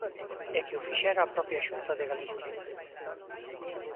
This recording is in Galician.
E que o fixera a propia Xunta de Galicia.